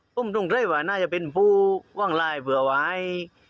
ผมต้องเคยว่าน่าจะเป็นผู้ว่างลายเผื่อไว้